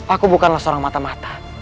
aku bukanlah seorang mata mata